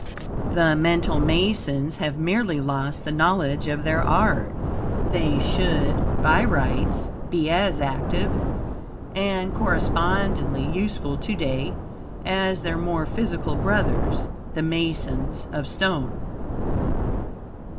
The Mental Masons have merely lost the knowledge of their art. They should, by rights, be as active and correspondingly useful to day as their more physical brothers, the masons of stone.